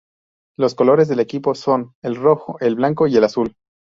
Los colores del equipo son el rojo, el blanco y el azul.